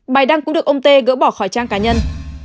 bài đăng cũng được ông tê gỡ bỏ khỏi trang cá nhân